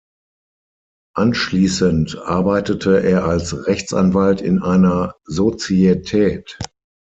Anschließend arbeitete er als Rechtsanwalt in einer Sozietät.